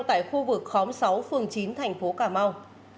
tại khu vực khóm sáu phường chín tp cà mau